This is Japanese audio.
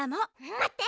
まって！